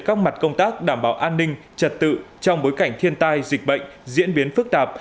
các mặt công tác đảm bảo an ninh trật tự trong bối cảnh thiên tai dịch bệnh diễn biến phức tạp